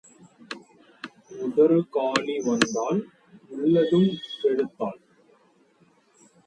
உதறு காலி வந்தாள், உள்ளதும் கெடுத்தாள்.